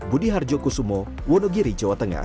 budi harjo kusumo wonogiri jawa tengah